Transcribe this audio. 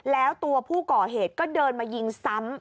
แล้วตัวผู้ก่อเหตุก็เดินมายิงซ้ำ